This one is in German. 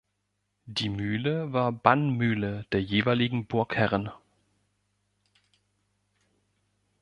Die Mühle war Bannmühle der jeweiligen Burgherren.